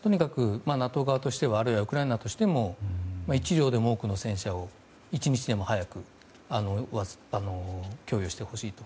とにかく、ＮＡＴＯ側ウクライナ側としても１両でも多くの戦車を一日でも早く供与してほしいと。